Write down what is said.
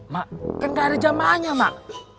mak kan ga ada jamahnya mak